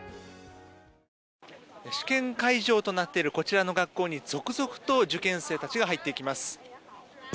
試験会場となっているこちらの学校に続々と受験生たちが入っていきます。